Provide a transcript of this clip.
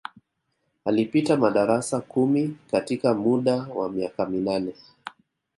Alipita madarasa kumi katika muda wa miaka minane